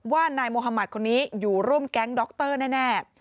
ว่านายมหมาตย์คนนี้อยู่ร่วมแก๊งด็อกเตอร์แน่